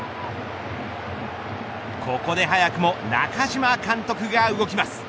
ここで早くも中嶋監督が動きます。